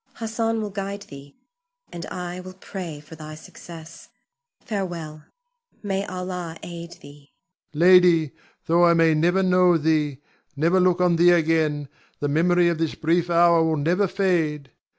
Hassan will guide thee, and I will pray for thy success. Farewell! May Allah aid thee! Ion. Lady, though I may never know thee, never look on thee again, the memory of this brief hour will never fade.